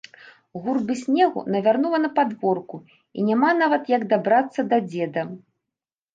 Гурбы снегу навярнула на падворку, і няма нават як дабрацца да дзеда.